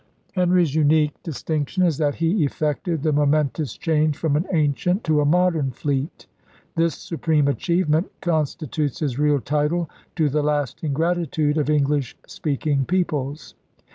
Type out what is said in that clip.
Henry's unique distinction is that he effected the momentous change from an ancient to a modern fleet. This supreme achievement con stitutes his real title to the lasting gratitude of English speaking peoples.